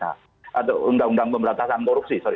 atau undang undang pemberantasan korupsi sorr